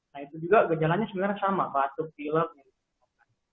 nah itu juga gejalanya sebenarnya sama batuk pilok dan lain sebagainya